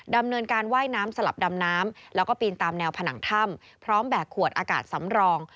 ดำเนินการว่ายน้ำสลับดำน้ำแล้วก็ปีนตามแนวผนังถ้ำพร้อมแบกขวดอากาศสำรอง